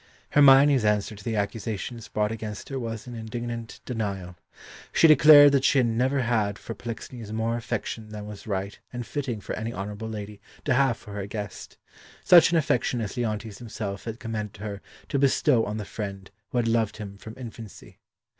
Hermione's answer to the accusations brought against her was an indignant denial. She declared that she had never had for Polixenes more affection than was right and fitting for any honourable lady to have for her guest, such an affection as Leontes himself had commanded her to bestow on the friend who had loved him from infancy.